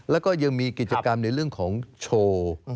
แล้วก็ยังมีกิจกรรมในเรื่องของโชว์